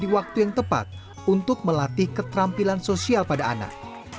waktu yang tepat untuk melatih keterampilan sosial pada anak